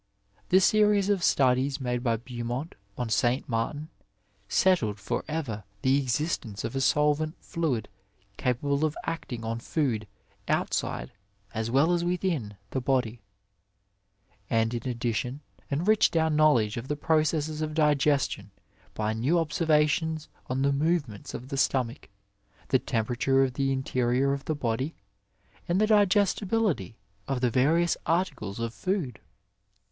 The series of studies made by Beaumont on St. Martin settled for ever the existence of a solvent fluid capable of acting on food outside as weU as within the body, and in addition enriched our knowledge of the processes of digestion by new observations on the move ments of the stomach, the temperature of the interior of the body, and the digestibility of the various articles of food.